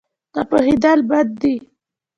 نه پوهېدل بد دی.